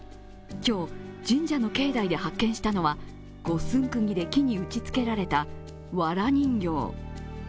今日、神社の境内で発見したのは五寸くぎで木に打ちつけられたわら人形。